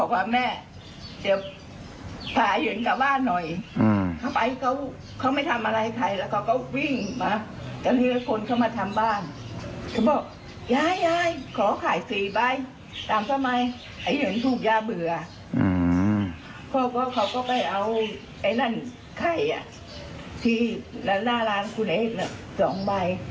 เพราะว่าเขาก็ไปเอาไอ้นั่นไข่อ่ะที่หน้าร้านคุณเอกน่ะสองใบ